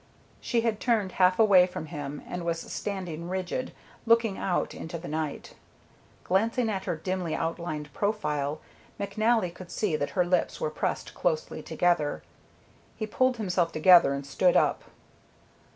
She had turned half away from him and was standing rigid, looking out into the night. Glancing at her dimly outlined profile, McNally could see that her lips were pressed closely together. He pulled himself together and stood up.